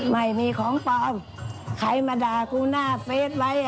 ไม่มีของปลอมใครมาด่ากูหน้าเฟสไว้